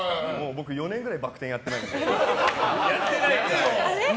僕、４年ぐらいバック転やってないので。